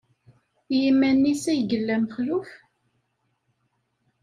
I yiman-nnes ay yella Mexluf?